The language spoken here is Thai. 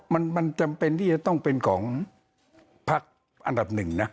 มันจำเป็นที่จะต้องเป็นของพักอันดับหนึ่งนะ